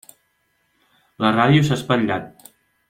La ràdio s'ha espatllat.